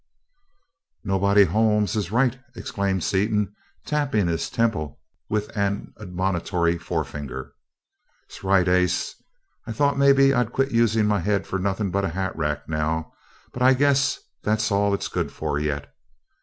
"'Nobody Holme' is right!" exclaimed Seaton, tapping his temple with an admonitory forefinger. "'Sright, ace I thought maybe I'd quit using my head for nothing but a hatrack now, but I guess that's all it's good for, yet.